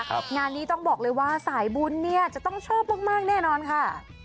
งานนี้ต้องบอกเลยว่าสายบุญเนี่ยจะต้องชอบมากมากแน่นอนค่ะ